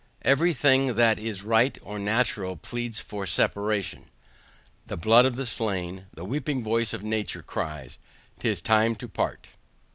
Every thing that is right or natural pleads for separation. The blood of the slain, the weeping voice of nature cries, 'TIS TIME TO PART.